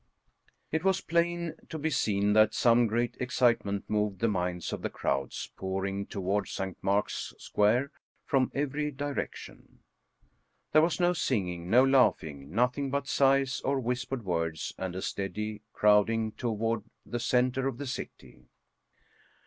It was plain to be seen that some great excitement moved the minds of the crowds pouring toward St. Mark's Square from every direction. There was no singing, no laughing, nothing but sighs or whispered words and a steady crowding toward the center of the city.